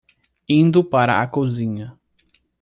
Indo para a cozinha